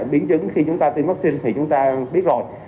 biến chứng khi chúng ta tiêm vaccine thì chúng ta biết rồi